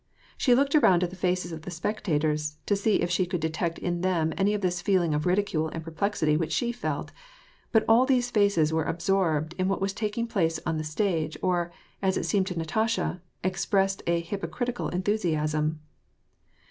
She looked around at the faces of the spectators, to see if she could detect in them any of this feeling of ridicule and perplexity which she felt ; but all these faces were absorbed in what was taking place on the stage, or, as it seemed to Natasha, expressed a hypocritical enthusiasm.